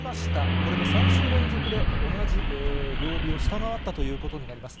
これで３週連続で同じ曜日を下回ったということになります。